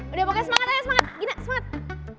udah pokoknya semangat aja semangat gina semangat